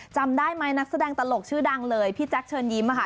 จำได้ไหมนักแสดงตลกชื่อดังเลยพี่แจ๊คเชิญยิ้มค่ะ